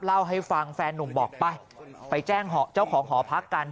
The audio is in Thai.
เล่าให้ฟังแฟนหนุ่มบอกไปไปแจ้งเจ้าของหอพักกัน